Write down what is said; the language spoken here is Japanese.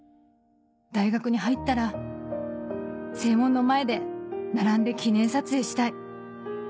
大学に入ったら正門の前で並んで記念撮影したい」。